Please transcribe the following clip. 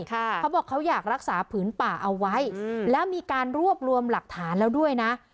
เขาบอกเขาอยากรักษาผืนป่าเอาไว้แล้วมีการรวบรวมหลักฐานแล้วด้วยนะ